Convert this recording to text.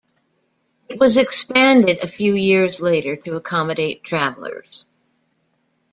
It was expanded a few years later to accommodate travelers.